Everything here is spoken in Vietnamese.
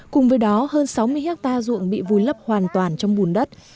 cùng với đó hơn sáu mươi hectare ruộng bị vùi lấp hoàn toàn trong bùn đất